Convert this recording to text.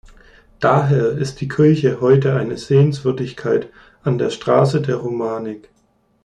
Daher ist die Kirche heute eine Sehenswürdigkeit an der Straße der Romanik.